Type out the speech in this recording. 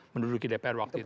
menduduki dpr waktu itu